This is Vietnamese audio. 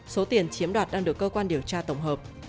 số tiền chiếm đoạt đang được cơ quan điều tra tổng hợp